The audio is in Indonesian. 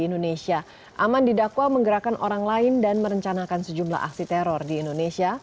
indonesia aman didakwa menggerakkan orang lain dan merencanakan sejumlah aksi teror di indonesia